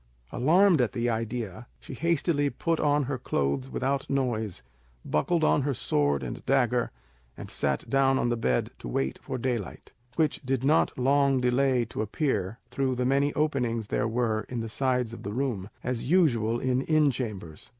Alarmed at the idea, she hastily put on her clothes without noise, buckled on her sword and dagger, and sat down on the bed to wait for daylight, which did not long delay to appear through the many openings there were in the sides of the room, as usual in inn chambers.